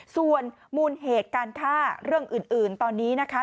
ส่วนมูลเหตุการฆ่าเรื่องอื่นตอนนี้นะคะ